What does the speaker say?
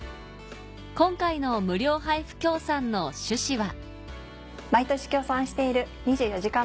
今回の無料配布協賛の趣旨は？